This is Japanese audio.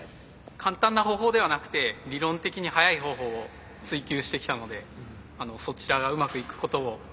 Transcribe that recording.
簡単な方法ではなくて理論的に速い方法を追求してきたのでそちらがうまくいくことを祈っています。